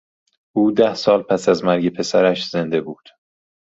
او ده سال پس از مرگ پسرش زنده بود.